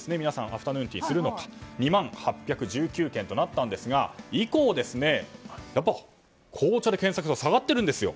アフタヌーンティーをするのか２万８１９件となったんですが以降、紅茶で検索すると下がっているんですよ。